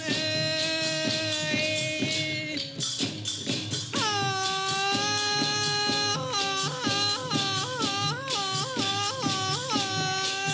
แม่ต้องรับร้องระบำกันเอ่ย